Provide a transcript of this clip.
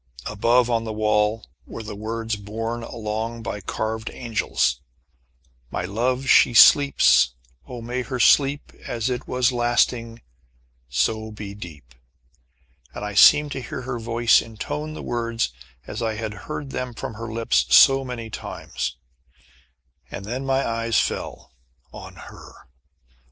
Above, on the wall, were the words borne along by carved angels: "My love she sleeps: Oh, may her sleep As it was lasting, so be deep." And I seemed to hear her voice intone the words as I had heard them from her lips so many times. And then my eyes fell on her!